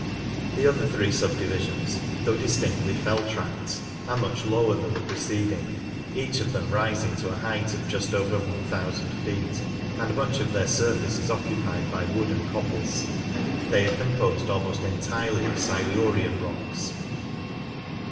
The other three subdivisions, though distinctly fell tracts, are much lower than the preceding, each of them rising to a height of just over iooo feet, and much of their surface is occupied by wood and coppice. They are composed almost entirely of Silurian rocks.